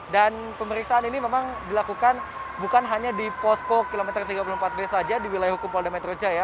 dan pemeriksaan ini memang dilakukan bukan hanya di posko km tiga puluh empat b saja di wilayah hukum spalda metro jaya